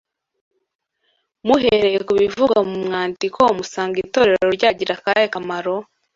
Muhereye ku bivugwa mu mwandiko musanga itorero ryagira akahe kamaro